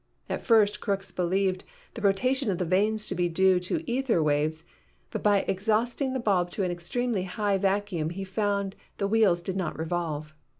At first Crookes believed the rotation of the vanes to be due to ether waves, but by exhausting the bulb to an extremely high vacuum he found the wheels did not revolve.